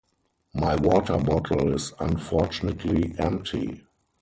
My water bottle is unfortunately empty.